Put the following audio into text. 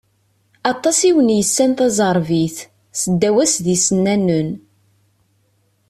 Aṭas i awen-yessan taẓerbit, seddaw-as d isennanen.